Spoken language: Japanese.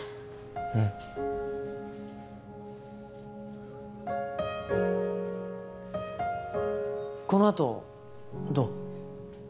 うんこのあとどう？